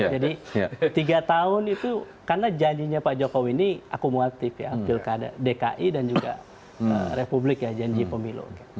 jadi tiga tahun itu karena janjinya pak jokowi ini akumulatif ya dki dan juga republik janji pemilu